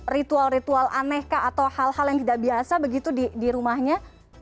ritual ritual anehkah atau hal hal yang tidak biasa begitu di rumahnya